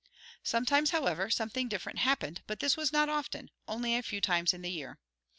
Sometimes, however, something different happened, but this was not often, only a few times in the year.